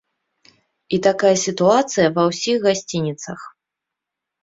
І такая сітуацыя ва ўсіх гасцініцах.